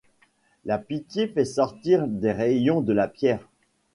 La pitié fait sortir des rayons de la pierre.